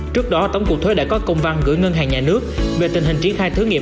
trước đó tổng cục thuế đã có công văn gửi ngân hàng nhà nước về tình hình triển khai thử nghiệm